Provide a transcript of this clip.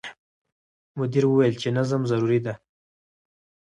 مدیر وویل چې نظم ضروري دی.